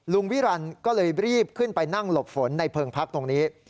วิรันดิก็เลยรีบขึ้นไปนั่งหลบฝนในเพิงพักตรงนี้